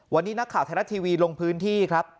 วันนี้นักข่าวไทยรัฐทีวีลงพื้นที่ครับ